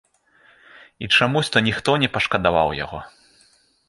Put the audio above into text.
І чамусь то ніхто не пашкадаваў яго.